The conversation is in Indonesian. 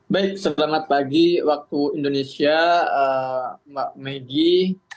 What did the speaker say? baik selamat pagi waktu indonesia mbak megi